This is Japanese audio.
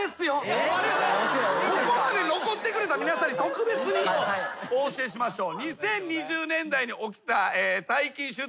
ここまで残ってくれた皆さんに特別にお教えしましょう。